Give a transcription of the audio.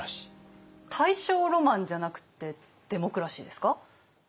大正ロマンじゃなくってデモクラシーですか？